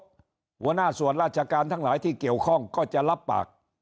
หัวหน้าส่วนราชการทั้งหลายที่เกี่ยวข้องก็จะรับปาก